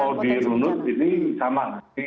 kalau dirunut ini sama